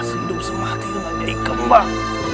sehidup semati dengan eik kembal